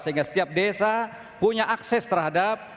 sehingga setiap desa punya akses terhadap jawa barat